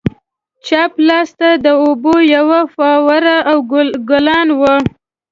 چپ لاسته د اوبو یوه فواره او ګلان وو.